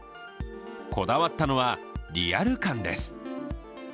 こだわったのはリアル感です。